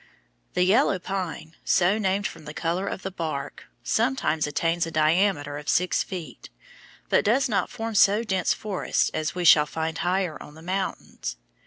The yellow pine, so named from the color of the bark, sometimes attains a diameter of six feet, but does not form so dense forests as we shall find higher on the mountains.